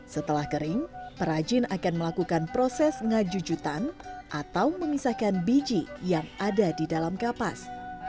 setelah kering perajin akan melakukan proses ngajujutan atau memisahkan biji yang ada di dalam kapas